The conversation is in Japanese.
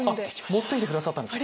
持って来てくださったんですか。